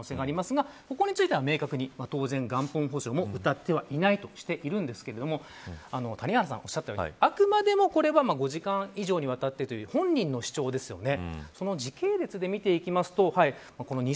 出資法違反ですが元本保証をうたっていた場合は問われる可能性がありますがここについては明確に、当然元本保証をうたってはいないとしているんですが谷原さん、おっしゃったようにあくまでも、これは５時間以上にわたってという本人の主張ですよね。